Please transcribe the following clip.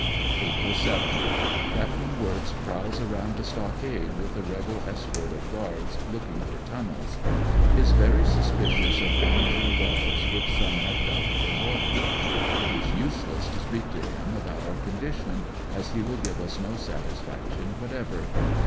April 7. — Capt. Wirtz prowls around the stockade with a rebel escort of guards, looking for tunnels. Is very suspicious of ama teur wells which some have dug for water. It is useless to speak to him about our condition, as he will give us no satisfaction what ever.